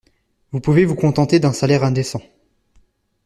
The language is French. vous pouvez vous contenter d'un salaire indécent.